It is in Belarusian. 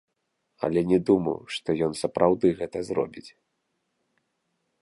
Але не думаў, што ён сапраўды гэта зробіць.